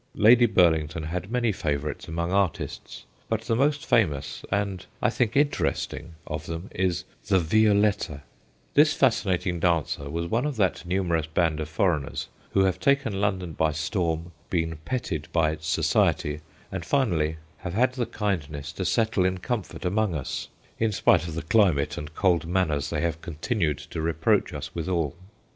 Lady Burling ton had many favourites among artists, but the most famous, and I think interesting, of them is ' the Violetta/ This fascinating dancer was one of that numerous band of foreigners who have taken London by storm, been petted by its society, and finally have had the kindness to settle in comfort among us in spite of the climate and cold manners they have continued to reproach us withal.